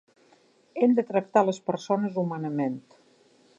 Hem de tractar les persones humanament.